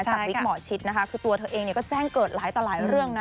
จากวิกหมอชิดนะคะคือตัวเธอเองเนี่ยก็แจ้งเกิดหลายต่อหลายเรื่องนะ